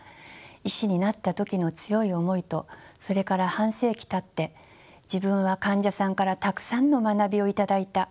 医師になった時の強い思いとそれから半世紀たって自分は患者さんからたくさんの学びを頂いた。